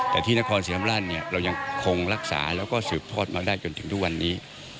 แต่ที่นครศรีธรรมราชเรายังคงรักษาแล้วก็สืบทอดมาได้จนถึงทุกวันนี้